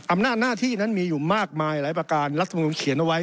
อำนาจหน้าที่นั้นมีอยู่มากมายหลายประการรัฐมนุนเขียนเอาไว้